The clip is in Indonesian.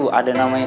saya mencari ku